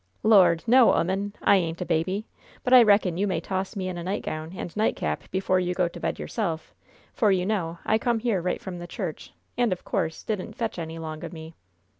"Lord, no, 'oman! I ain't a baby! But I reckon you may toss me in a nightgown and nightcap before you go to bed yourself, for, you know, I come here right from the church, and, of course, didn't fetch any 'long o' me."